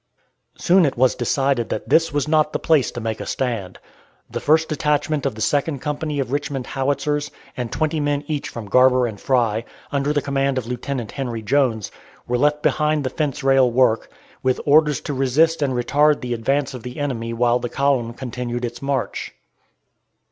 Soon it was decided that this was not the place to make a stand. The first detachment of the Second Company of Richmond Howitzers, and twenty men each from Garber and Fry, under the command of Lieutenant Henry Jones, were left behind the fence rail work, with orders to resist and retard the advance of the enemy while the column continued its march.